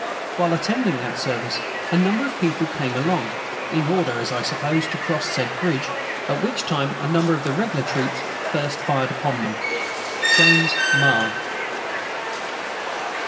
While attending that service, a number of people came along, in order, as I suppose, to cross said bridge, at which time a number of the regular troops first fired upon them. "JAMES MARR."